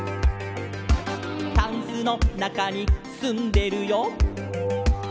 「タンスのなかにすんでるよ」